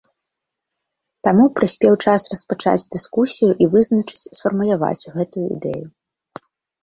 Таму прыспеў час распачаць дыскусію і вызначыць, сфармуляваць гэтую ідэю.